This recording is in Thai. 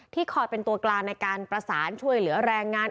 คอยเป็นตัวกลางในการประสานช่วยเหลือแรงงาน